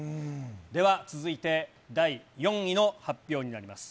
では続いて、第４位の発表になります。